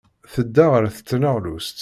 Tedda ɣer tneɣlust.